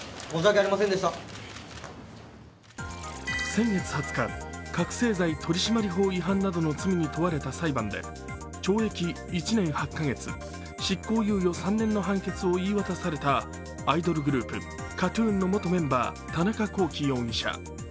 先月２０日、覚醒剤取締役法違反などの罪に問われた裁判で懲役１年８カ月、執行猶予３年の判決を言い渡されたアイドルグループＫＡＴ−ＴＵＮの元メンバー、田中聖容疑者。